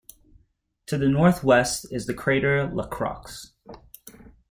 To the northwest is the crater Lacroix.